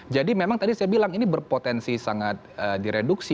jadi memang tadi saya bilang ini berpotensi sangat direduksi